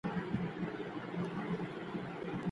د خوړو مینيو څوک ټاکي؟